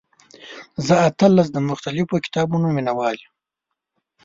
زه اتلس د مختلفو کتابونو مینوال یم.